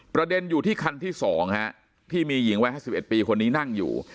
ประเด็นอยู่ที่คันที่๒ที่มีหญิงวัย๕๑ปีคนนี้นั่งอยู่